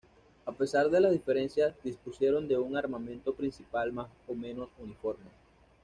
A pesar de las diferencias dispusieron de un armamento principal más o menos uniforme.